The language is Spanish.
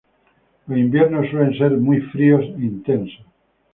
Los inviernos suelen ser muy fríos e intensos.